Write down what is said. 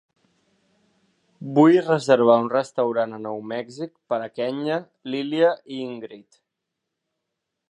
Vull reservar un restaurant a Nou Mèxic per a Kenya, Lilia i Ingrid.